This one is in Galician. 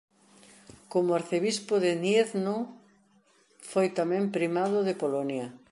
Como arcebispo de Gniezno foi tamén primado de Polonia.